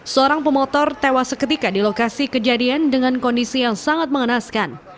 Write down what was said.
seorang pemotor tewas seketika di lokasi kejadian dengan kondisi yang sangat mengenaskan